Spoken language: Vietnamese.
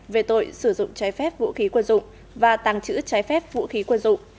về tội sử dụng trái phép vũ khí quân dụng và tàng trữ trái phép vũ khí quân dụng